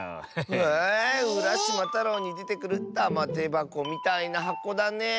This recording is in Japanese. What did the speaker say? えうらしまたろうにでてくるたまてばこみたいなはこだねえ。